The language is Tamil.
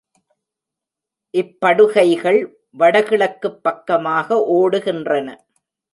இப் படுகைகள் வடகிழக்குப் பக்கமாக ஓடுகின்றன.